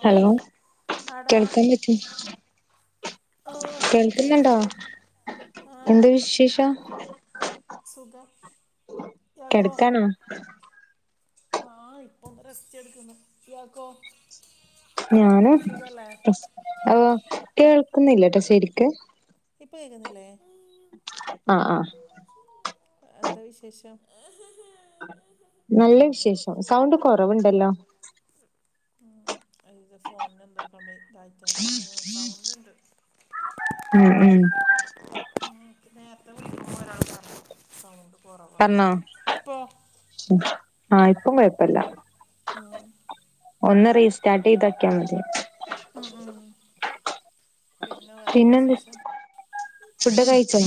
ഓ hello ആടാ കേൾകാൻ പറ്റ് ആ കേൾക്ക്ന്ന്ണ്ടോ കേൾക്കുന്നുണ്ട് ആ എന്ത് വിശേഷം സുഖം ഇയാക്കോ? കെടക്കാണോ ആഹ് ഇപ്പൊന്ന് റസ്റ്റെട്ക്ക്ന്ന് ഇയാക്കോ ഞാനും സുഖല്ലേ അതെ കേൾക്കുന്നില്ലട്ടൊ ശരിക്ക് ഇപ്പ കേക്ക്ന്നില്ലേ? ആഹ് ആഹ് എന്താ വിശേഷം? നല്ല വിശേഷം സൗണ്ട് കൊറവ്ണ്ടല്ലോ ഇത് ഫോണിനെന്തോ കംപ്ലയിന്റ് ഇതായിട്ടാണ് സൗണ്ട്ണ്ട് ഉം ഉം ഇന്ക്ക് നേരത്തെ വിളിക്കുമ്പൊരാള് പർഞ്ഞ് സൗണ്ട് കൊറവാണ്ന്ന് പറഞ്ഞോ ഇപ്പൊ ആ ഇപ്പം കൊഴപ്പല്ല ആഹ് ഒന്ന് റീസ്റ്റാർട്ടെയ്തോക്കിയാ മതി അഹ് ആഹ് പിന്നെ വേറെന്താ വിശേഷം ഫുഡൊക്കൊ കയിച്ചോ?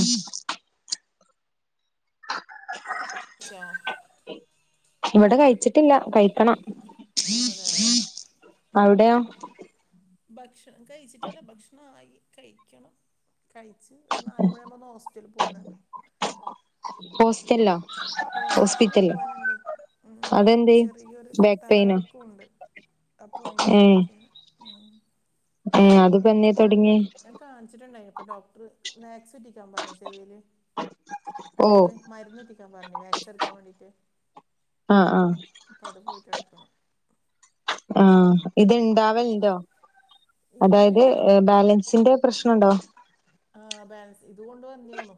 ച്ചോ ഇവിടെ കഴിച്ചിട്ടില്ല കഴിക്കണം അതെ അവിടയോ ഭക്ഷണം കയിച്ചിട്ടില്ല ഭക്ഷണായി കഴിക്കണം കഴിച്ച് ഒരു നാല് മണിയാവുമ്പൊന്ന് ഹോസ്പിറ്റൽ പോവാന്ണ്ട് ഹോസ് ഹോസ്പിറ്റല് പോവാന്ണ്ട് ഉം അതെന്തേ ചെറിയൊര് ബാക്ക് പെയിനോ തലകറക്കൊണ്ട് അപ്പോ അയ്ന്റെ കാണിക്കാന് ആഹ് അത് ഞാക്ക ഞാൻ കാണിച്ചിട്ടുണ്ടായി ഇപ്പൊ ഡോക്ടർ വാക്സ് ഇട്ടിക്കാൻ പറഞ് ചെവില് അല്ല ഓ ഇത് മരന്നൊറ്റിക്കാൻ പറഞ്ഞി വാക്സ് എടുക്കാ വേണ്ടീട്ട് ആ ആ അപ്പ അത് പോയിറ്റട്ക്കണം ആ ഇത്ണ്ടാവല്ണ്ടോ ഇല്ല അതായത് ഇല്ല ബാലൻസിന്റെ പ്രശ്നണ്ടോ ആ ബാലൻസ് ഇതൊണ്ട് വന്ന യന്നു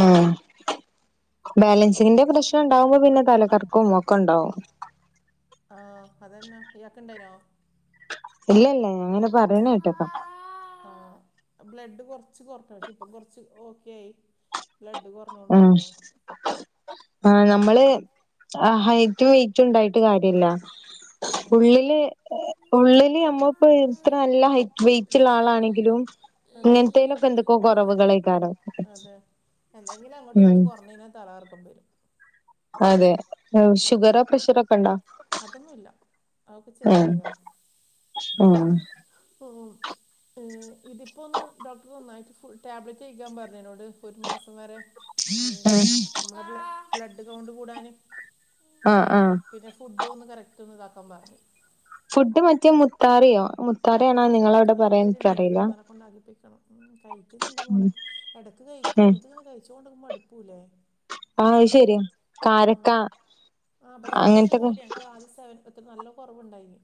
ആ ബാലൻസിന്റെ പ്രശ്നാണ്ടാവുമ്പോ പിന്നെ തലകർക്കൊ ഒക്കെണ്ടാവും ആ അതന്നാ ഇയാക്ക്‌ണ്ടായിനോ ഇല്ലല്ല അങ്ങനെ പറയണ ആ കേട്ടക്ക ആ ബ്ലഡ് കൊർച്ച് കൊറഞ് പക്ഷെ ഇപ്പ കൊർച്ച് ഓക്കേയി ബ്ലഡ് കൊ ആ ആ നമ്മള് ഹൈറ്റും വെയ്റ്റുണ്ടായിട്ട് കാര്യല്ല ആ ഉള്ളില് ഉള്ളില് നമ്മപ്പൊ ഇത്ര നല്ല ഹൈ വെയിറ്റ്ള്ള ആളാണെങ്കിലും അത് ഇങ്ങനത്തേലൊക്കെ എന്തൊക്കോ കുറവുകള് ഏക്കാരം എന്തെങ്കില് അങ്ങോട്ടിങ്ങട്ട് കൊർഞ്ഞയിനാ തലകറക്കം വരും അതെ ഷുഗറോ പ്രഷറോ ഒക്കെ ഉണ്ടോ അതൊന്നുല്ല അഒക്കെ ചെക്കെയ്താ ഉം ഓ ഇതിപ്പോന്ന് ഡോക്ടർ നന്നായിട്ട് ഫുള് ടാബ്ലറ്റ് കഴിക്കാൻ പറഞ്ഞോട് ഒരു മാസം വരെ നമ്മളൊരു ബ്ലഡ് കൗണ്ട് കൂടാന് അ ആ പിന്നെ ഫുഡ് ഒന്ന് കറക്റ്റ് ഒന്ന് ഇതാക്കാൻ പറഞ് ഫുഡ് മറ്റേ മുത്താരിയോ മുത്താറിയാണ് മ് അതൊക്കെ ഒര്ന്ന് ഇന്ന് പ്പമ്മാന കൊണ്ടാകിപ്പിക്കണം മ് കഴിക്ക്‌ന്ന്ണ്ട് ഉം മോളെ ഇടക്ക് കഴിക്കും ഉം ഇത്ങ്ങനെ കഴിച്ചോണ്ടുമ്പോ മടുക്കൂലേ ആഹ് അത് ശരിയാ മ് കാരക്ക ആ പക്ഷെ അത്യാവശ്യം അങ്ങനത്തൊക്കെ കൂടിയാനിക്ക ആദ്യ സെവ എത്ര നല്ല കൊറവുണ്ടായിന്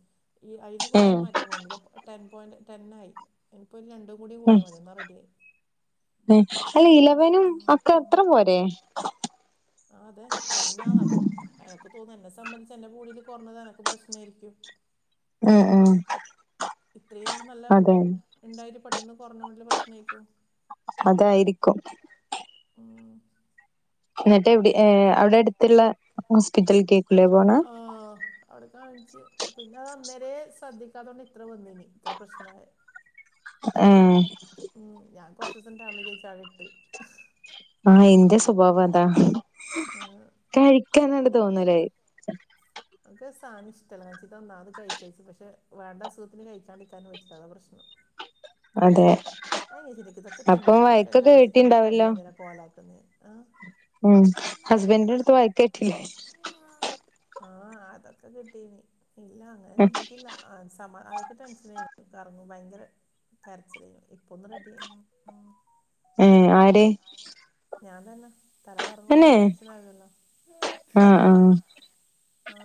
ഈ അയില് കുറേ ഉം മാറ്റം വന്ന് ഇ ടെൻ പോയിന്റ് ടെൻ ആയി ഇൻപ്പോ ഒരു രണ്ടു ഉം കൂടിയാ മതിന്നാ റെഡി ആയി അല്ല ഇലവനും ഒക്കെ അത്ര പോരേ ആ അതെ ടെന്നാന്ന അപ്പൊ എനക്ക് തോന്ന എന്നെ സംബന്ധിച്ച് എന്റെ ബോടില് കുറഞ്ഞത് എനക്ക് പ്രശ്നായിരിക്കും ആ ആ ഇത്രയും നാള് നല്ല ഇണ്ടായിട്ട് പെട്ടെന്ന് കൊർഞ്ഞോണ്ടില പ്രശ്നായിക്കു അതായിരിക്കും ഉം എന്നിട്ട് എവിടി അവിടെ എടുത്ത്ള്ള ഹോസ്പിറ്റല്കേക്കൂലേ പോണ ആ അവിടെ കാണിച്ചച്ച് പിന്നെ അന്നേരെ ശ്രദ്ധിക്കാതെ കൊണ്ട് ഇത്ര വന്നീന് ഇത്ര പ്രശ്നയൊ. [inaudible] ഏ മ് ഞാൻ കുറച്ച് ദിവസം ടാബിലയിച്ച് അവിടെ ഇട്ട്. ആ ഇന്റെ സ്വഭാവം അതാ കഴിക്കാനട് തോന്നൂലൊ. [inaudible] നനിക്ക് സധനംഷ്ടമല്ല കാ ഒന്നാമത് അത് കഴിച്ച അയച്ച് പക്ഷേണ്ടസുഖത്തിന് കഴിക്കാണ്ടിക്കാനും പറ്റില്ല അത പ്രശ്നം. അതെ അ ചിദിക്കുക്ക് അപ്പൊ ഇതൊക്കെ വഴക്കൊക്കെ കഴിച്ചിട്ട് നമ്മള തടി കേട്ടിണ്ടാവല്ലോ എന്തിനകോലാക്കുന്നോ. ആ മ് ഹുസ്ബൻഡട്ത്ത് വയക്ക്കെടിലൊ ആഹ അതൊക്കെ കിട്ടീന് ഇല്ല അങ്ങനെ കിട്ടീട്ടില്ല. ആ സമാ അതൊക്കെ ടെൻഷൻ കറങ്ങു ഭയങ്കര കരച്ചിലായി ഇപ്പൊന്ന് റെഡി ആയി. ഏ ആര് ആര് ഞാൻ തന്നൊ തല കറങ്ങുമ്പോ തന്നെ ടെൻഷൻ ആകല്ലോ. ഹ ആഹ് ആഹ് ഹ ആ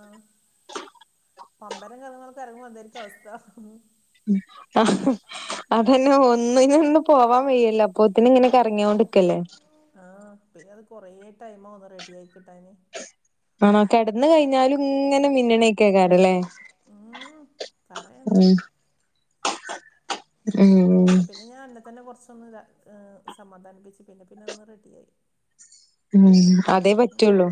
പമ്പരം കറങ്ങുപോലെ കറങ്ങും അതായിരിക്കും അവസ്ഥ. ആഹ് അപ്പം പിന്നെ. ഒന്നിനൊന്നും പോവാൻ വയ്യല്ലോ അപ്പൊത്തിന് ഇങ്ങനെ കറങ്ങിയോണ്ട്ക്കല്ലേ. ആഹ് പിന്നെ അത് കുറേ ടൈമ് ആവും ഒന്ന് റെഡി ആയി കിട്ടാന്. ആണോ കിടന്ന് കഴിഞ്ഞാലും ഇങ്ങനെ മിന്നുണയിക്കക്കാരല്ലേ? ഉം, ഉ പറയണ്ട ഉം പിന്നെ ഞാൻ അന്നെ തന്നെ കുറച്ചൊന്ന് സമാധാനിപ്പിച്ചു പിന്നെ പിന്നെ ഒന്ന് റെഡിയായി. ഉം അതേ പറ്റുള്ളൂ.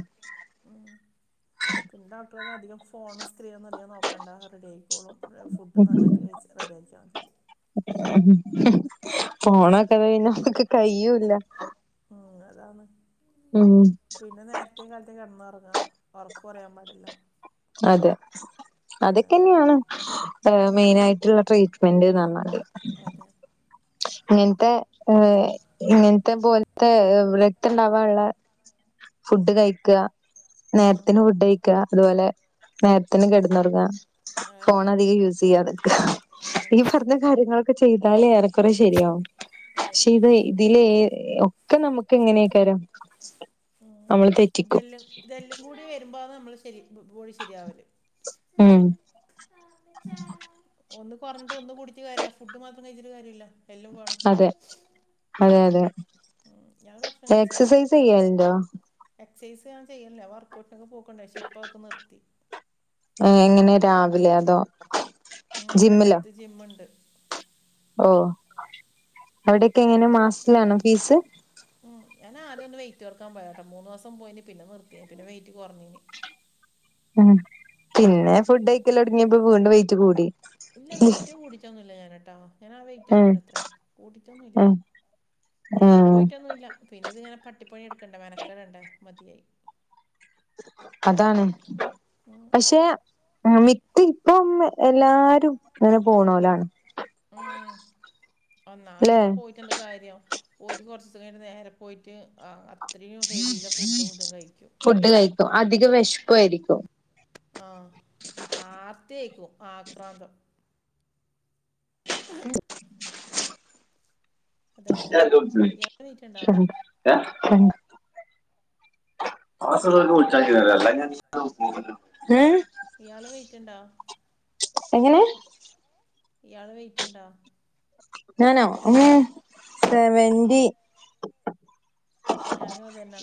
പിന്നെ ഡോക്ടർപറഞ്ഞു അധികം ഫോൺ സ്ക്രീൻഒന്നും അധി കം നോക്കണ്ട റെഡി ആയിക്കോളും. ഇ ഫുഡ് നന്നായിട്ട് കഴിച്ച്ട് റെഡിയാക്കിയാൽ മതി. ഫോണൊക്കെ ഒഴിവാക്കാൻ കയ്യൂല്ല. ഉം അതാണ് ഉം പിന്നെ നേ രത്തെ കാലത്തേ കിടന്നുറങ്ങുക ഉറക്കും കുറയാൻ പാടില്ല. അതെ അതാണ് അതൊക്കെന്നെയാണ്. ഹ് മെയിന ആയിട്ടുള്ള ട്രീറ്റ്മെന്റ് ന് പറഞ്ഞാല്. അതെ ഇങ്ങനത്തെ ഏഹ് ഇങ്ങനത്തെ പോലത്തെ രക്ത ഇണ്ടാവുള്ള ഫുഡ് കഴിക്ക. ഉം, നേരത്തിന് ഫുഡ്ഴിക്ക അതുപോലെ നേരത്തിന് കെടന്ന് ഉറുങ്ങ. ഫോൺ അതെന്നെ, അധികം യൂസ് ചെയ്യാതെ ഈ അതെന്നെ, പറഞ്ഞ കാര്യങ്ങളൊക്കെ ചെയ്താലേ ഏറെ ക്കുറെ ശരിയാവും പക്ഷെ അതെന്നെ. ഇത് ഇതിലെ ഓ ക്കെ നമുക്ക് എങ്ങനെയൊക്കരാം. ഇതെല്ലാം ഇതെല്ലും കൂടി വരുമ്പോൾ നമ്മൾ ശരി പോടി ശരിയാവല്ല്. ഉം ആ മ്മിച്ചാ ഒന്ന് കുറഞ്ഞിട്ട് ഒും കുടിച്ച് കാര്യല്ല ഫുഡ് മാത്രം കഴിച്ചിട്ട് കാര്യല്ല എല്ലാം വേണം. അതെ അതെ അതെ ഉം ഇയാള് എക്സസൈസ് ചെയ്യാലണ്ടോ. എക്സൈസ് ഞാ ചെയ്യില്ല വർക്ക് ഔട്ടിനൊക്കെ പോക്കണ്ടേ പക്ഷെ ഇപ്പൊ അതൊക്കെ നിർത്തി. എങ്ങനെ രാവിലെ അതോ ഉം ഇവിടെ ജിമ്മിലോ അടുത്ത് ജിമ്മുണ്ട് ഓ അവിടെയൊക്കെ എങ്ങനെ അവിടെ പോക്ക് മാസത്തിലാണോ ഫീസ് ഉം ഞാൻ ആദ്യ ഒന്ന് വെയിറ്റ് കു റക്കാൻ പോയട്ട മൂന്ന് ദിവസം പോയിന് പിന്നെ നിർത്തിയ പിന്നെ വെയിറ്റ് കുറഞ്ഞീന് ഉം പിന്നെ ഫുഡ് കഴിക്കല് തുടങ്ങിയപ്പോ വീണ്ടും വെയിറ്റ് കൂടി ഇല്ല വെയിറ്റ് കൂടിയിട്ടൊന്നും ഇല്ല ഞാന്ട്ടോ ഞാനാ ആ വെയിറ്റ് തന്നെ ഉം ഉണ്ടത്രേ കൂട്ടിയിട്ടൊന്നു ഇല്ല ഉം പിന്നെ ഉം പോയിട്ടൊന്നു ഇല്ല പിന്നെ ഇതിങ്ങനെ പട്ടിപ്പണി എടുക്കണ്ടേ മെനക്കെ ടണ്ടേ മതിയായി അതാണ് ഉം പക്ഷെ മിത്ത് ഇപ്പം എല്ലാരും ഇങ്ങനെ പോണോലാണ് ഉം ഒന്നാമത് ല്ലെ ഇപ്പ പോയിട്ട എന്ത് കാര്യം പോയിട്ട് കുറച്ച് നേരം നേരെ പോയിട്ട് ആ ആ അത്രയും ഹെവിയിലെ ഫുഡ് മൊത്തം കഴിക്കും ഫുഡ് കഴിക്കും അധികം വിശപ്പും ആയിരിക്കും ആഹ് ആർത്തി ആയിരിക്കും ആക്രാന്തം അഹ് ഇയാൾ വെയിറ്റ് ഉണ്ടോ [unintelligible] ഇയാൾ ഏഹ് ഇയാള് വെയിറ്റ്ണ്ടോ എങ്ങനെ ഇയാള് വെയിറ്റ് ഉണ്ടോ ഞാനോ ഉം സെവന്റി ഞാനും അതന്നാ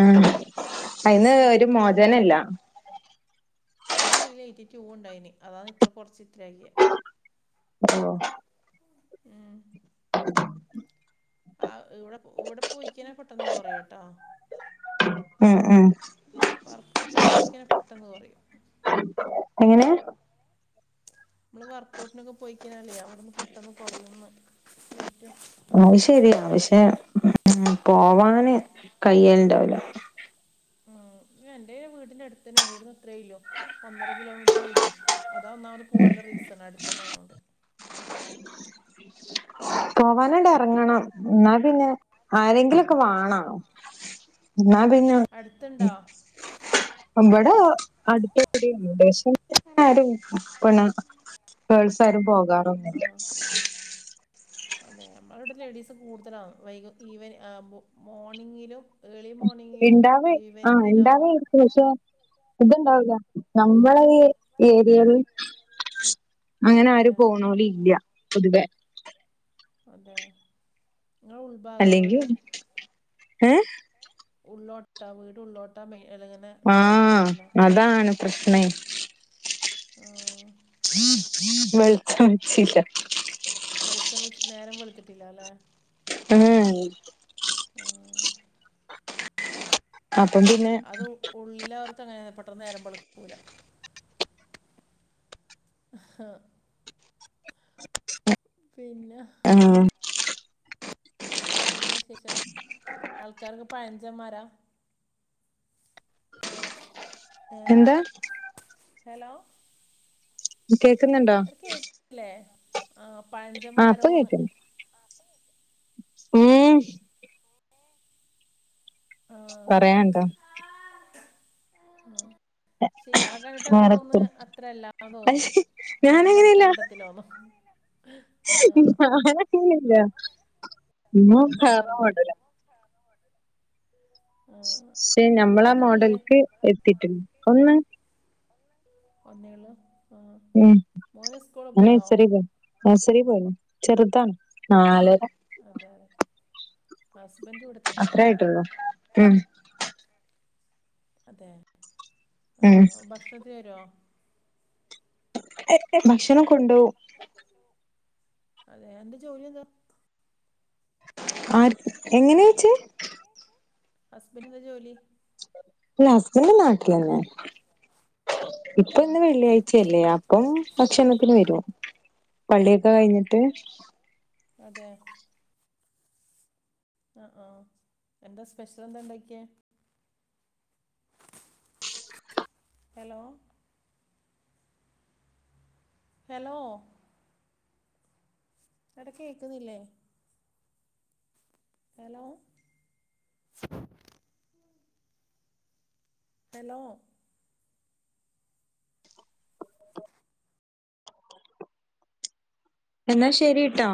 ആഹ് ഞാൻ അയ്ന്ന് എയ്റ്റി ഒരു ടു മോചനല്ല ഉണ്ടായിന് ഞാൻ അതിൽ എയ്റ്റി ടു ഉണ്ടായിനി അതാണ് ഇത്ര കുറച്ച് ഇത്രയാക്കിയേ ഹലോ ഏ ആ ഇവിടെ ഇവിടെ പോയിക്കാനെ പെട്ടെന്ന് കൊറയോട്ടോ ഉം ഉം വർക്ക് ഔട്ടിനൊക്കെ പോയിക്കയ്ഞ്ഞാ പെട്ടെന്ന് കൊറയും എങ്ങനെ നമ്മള് വർക്കഔട്ടിനൊക്കെ പോയിക്കനല്ലേ അവിടെന്ന് പെട്ടന്ന് കൊറയുന്ന് വെയ്റ്റ് അത് ശരിയാ പക്ഷേ ഉം പോവാന് കയ്യൽ ഉണ്ടാവൂല ഉം എൻ്റയ്ന് വീടിന്റെ അടുത്തന്നെ വിട്ന്ന് അത്രല്ലോ ഒന്നര കിലോമീറ്റർ ഇല്ലു അതാ ഒന്നാമത് പോകാനുള്ള റീസൺ അടുത്ത തന്നെ ആയോണ്ട് പോവാനായിണ്ടെറങ്ങണം എന്നാൽ പിന്നെ ആരെങ്കിലൊക്കെ വാണം ഇന്നാ പിന്നെ അടുത്തുണ്ടോ ഇവിടെ അടുത്തൗടി ഇണ്ട് പക്ഷേ ആരും പിന്നെ ഗേൾസ് ആരും പോകാറോ ആഹ് അതെ നമ്മളവിടെ ലേഡീസ് കൂടുതലാണ് വൈകു- ഈവ മോർണിങ്ങിലും ഏർളി മോർണിങ്ങിലും ഇണ്ടാവേ ആ ഈവനിങ്ങിലും ആന്ന് ഇണ്ടാവേയിരിക്കും പക്ഷെ ഇത്ണ്ടാവില്ല നമ്മള ഈ ഏരിയേൽ അങ്ങനെ അതെ ആരു പോണോലില്ല പൊതുവെ അതെ നിങ്ങളെ ഉൾഭാഗാ അല്ലങ്കിൽ വീട് ഏഹ് ഉള്ളോട്ട വീട് ഉള്ളോട്ടാ അല്ലങ്ങനെ ആഹ് അതാണ് പ്രശ്നേ പ്രശ്നേ ആഹ് വെൾച്ച ച്ചീല്ല വെളിച്ചം വെച്ച് നേരം വെൾത്തിട്ടില്ല ല്ലെ ഉം ആ അപ്പം പിന്നെ ഉള്ളിലാവർക്കങ്ങനെണ് പെട്ടെന്ന് നേരമ്പെളുക്കൂല അഹ് പിന്നെ ഉം വേറന്ത വിശേഷം ആൾക്കാരൊക്കെ പഴഞ്ചന്മാരാ ഏഹ് എന്താ ഹലോ കേക്കുന്നുണ്ടോ അഹ് കേക്കല്ലേ ആഹ് ആഹ് പ്പൊ കേക്ക്ണ്ട് ഉം പറയാണ്ടോ ആഹ് ശേ യാളെ കണ്ടിട്ട് എനിക്ക് തോന്ന് ക്യാരക്ടർ അത്രല്ലാ തോന്ന് പക്ഷെ നേരം വെളുത്ത ഞാനങ്ങനെയല്ല കൂട്ടത്തിലോന്നോ ഞാനങ്ങല്ല അതാ പറഞ്ഞേ [unintelligible] ആ ശേ നഞമ്മളാ ഇയാൾക്ക് എത്ര പിള്ളേര് മോഡലക്ക് എത്തിട്ടുില്ല ഒന്ന് ഒന്നേള്ളൂ ആ ഉം മോന് സ്കൂള് പോയോ നഴസറി പോണ്‌ ചെറുതാണ് അതെ നാലര അതെ അതെ ഹസ്ബൻഡ ഇവിടു അത്ര ആയിട്ടോള്ളൂ ഉം അതെ ഉം ഭക്ഷണത്തി വരുമോ ഏ ഭക്ഷണം കൊണ്ടോവും അതെ എന്താ ജോലി എന്താ ആ എങ്ങനെയ ചോയിച്ചേ ഹസ്ബൻഡന് എന്താ ജോലി ഹസ്ബൻഡ നാട്ടിലന്നെ ആ ഇപ്പൊ ആ ഇന്ന് വെള്ളിയാഴ്ചയല്ലയ ഇപ്പം ഭക്ഷണത്തിന് വരും പള്ളിയൊക്കെ അതെ കഴിഞ്ഞിട്ട് അതെ ആ ആ എന്താ സ്പെഷ്യൽ എന്താ ഉണ്ടാക്കിയത് ഹലോ ഹലോ അവിടെ കേക്കുന്നില്ലേ ഹലോ ഹലോ എന്നാ ശരിട്ടോ